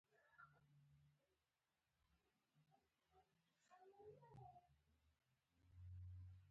دا دی هغه بایوګرافي